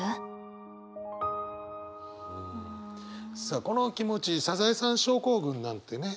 さあこの気持ち「サザエさん症候群」なんてね